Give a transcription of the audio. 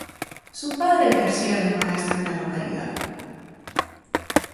Su padre ejercía de maestro en la localidad.